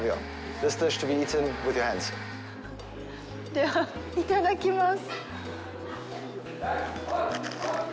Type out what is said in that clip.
では、いただきます。